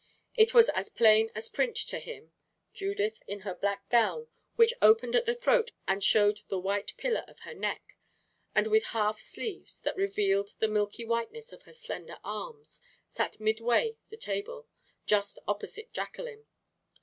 It was as plain as print to him. Judith, in her black gown, which opened at the throat and showed the white pillar of her neck, and with half sleeves that revealed the milky whiteness of her slender arms, sat midway the table, just opposite Jacqueline.